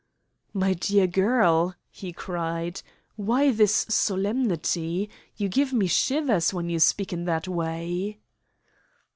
"My dear girl," he cried, "why this solemnity? You give me shivers when you speak in that way!"